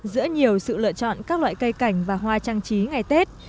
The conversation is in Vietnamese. giữa nhiều sự lựa chọn các loại cây cảnh và hoa trang trí ngày tết